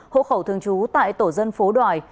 hộ khẩu thường trú tại tổ dân phố đoài